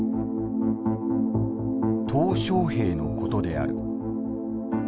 小平のことである。